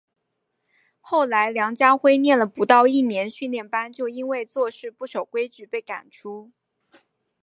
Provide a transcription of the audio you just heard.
后来梁家辉念了不到一年训练班就因为做事不守规矩被赶出。